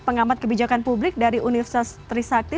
pengamat kebijakan publik dari universitas trisakti